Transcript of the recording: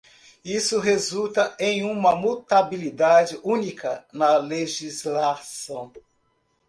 Isso resulta em uma mutabilidade única na legislação.